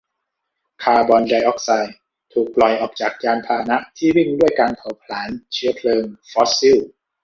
คาร์บอนไดออกไซด์ถูกปล่อยจากยานพาหนะที่วิ่งด้วยการเผาพลาญเชื้อเพลิงฟอสซิล